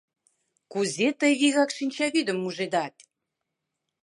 Кузе тый вигак шинчавӱдым мужедат?